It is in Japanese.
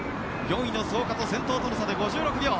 ４位の創価と先頭との差５６秒。